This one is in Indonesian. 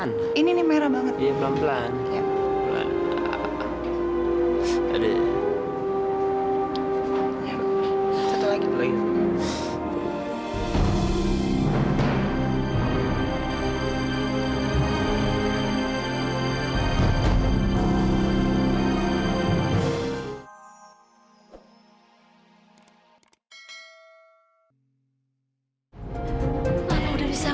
nanti sebentar ma